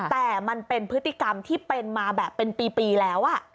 แต่มันเป็นพฤติกรรมที่เป็นมาแบบเป็นปีแล้ว